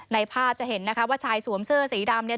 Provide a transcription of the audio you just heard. ในภาพจะเห็นนะคะว่าชายสวมเสื้อสีดำเนี่ย